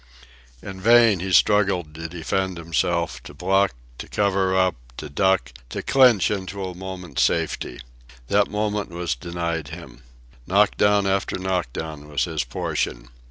In vain he struggled to defend himself, to block, to cover up, to duck, to clinch into a moment's safety. That moment was denied him. Knockdown after knockdown was his portion.